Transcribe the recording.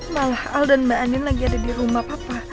malah al dan mbak anin lagi ada di rumah papa